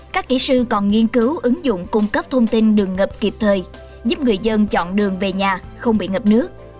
các kỹ sư còn nghiên cứu ứng dụng cung cấp thông tin đường ngập kịp thời giúp người dân chọn đường về nhà không bị ngập nước